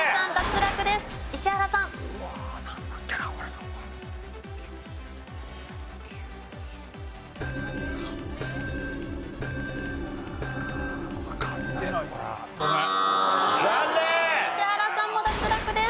石原さんも脱落です。